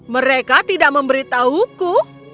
mereka tidak memberitahuku